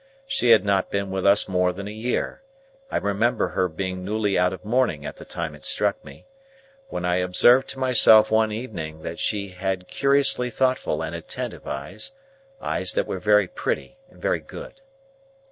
She had not been with us more than a year (I remember her being newly out of mourning at the time it struck me), when I observed to myself one evening that she had curiously thoughtful and attentive eyes; eyes that were very pretty and very good.